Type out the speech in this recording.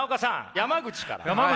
山口から？